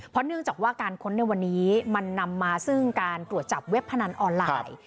เพราะเนื่องจากว่าการค้นในวันนี้มันนำมาซึ่งการตรวจจับเว็บพนันออนไลน์